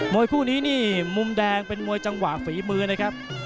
วยคู่นี้นี่มุมแดงเป็นมวยจังหวะฝีมือนะครับ